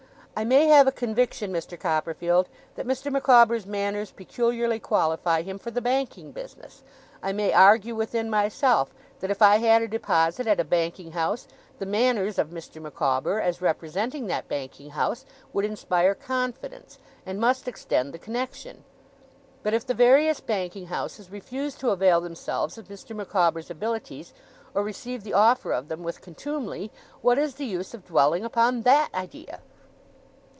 'I may have a conviction, Mr. Copperfield, that Mr. Micawber's manners peculiarly qualify him for the Banking business. I may argue within myself, that if I had a deposit at a banking house, the manners of Mr. Micawber, as representing that banking house, would inspire confidence, and must extend the connexion. But if the various banking houses refuse to avail themselves of Mr. Micawber's abilities, or receive the offer of them with contumely, what is the use of dwelling upon THAT idea?